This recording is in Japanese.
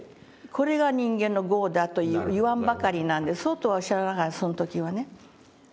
これが人間の業だと言わんばかりなんでそうとは知らないからその時はね。